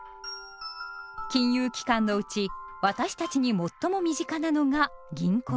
金融機関のうち私たちに最も身近なのが「銀行」です。